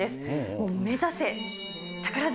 もう目指せ、宝塚。